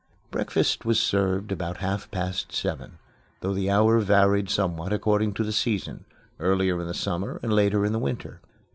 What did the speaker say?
Breakfast was served about half past seven, though the hour varied somewhat according to the season earlier in summer and later in winter.